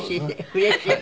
うれしい？